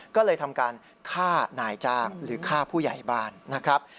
ก็เลยทำการฆ่านายจ้างหรือฆ่าผู้ใหญ่บ้านนะครับ